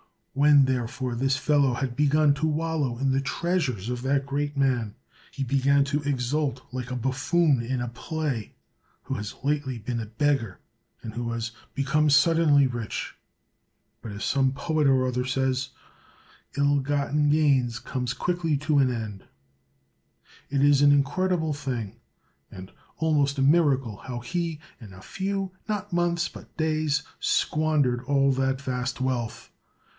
When, therefore, this fellow had begun to wallow in the treasures of that great man, he began to exult like a buffoon in a play, who has lately been a beggar, and has become suddenly rich. But, as some poet or other says, — "Ill gotten gain comes quickly to end." It is an incredible thing, and almost a miracle, how he in. a few, not months, but days, squan dered all that vast wealth.